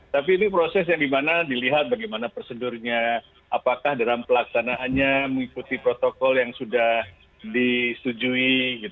tapi ini proses yang dimana dilihat bagaimana prosedurnya apakah dalam pelaksanaannya mengikuti protokol yang sudah disetujui